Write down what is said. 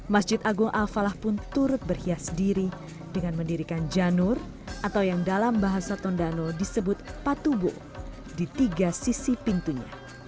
masjid agung al falah pun turut berhias diri dengan mendirikan janur atau yang dalam bahasa tondano disebut patubo di tiga sisi pintunya